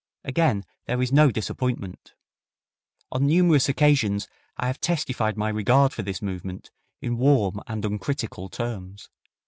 Again there is no disappointment. On numerous occasions I have testified my regard for this movement in warm and uncritical terms.